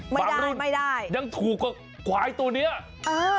บางรุ่นยังถูกกว่าควายตัวนี้ไม่ได้